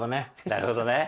なるほどね。